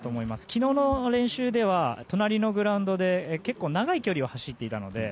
昨日の練習では隣のグラウンドで結構長い距離を走っていたので。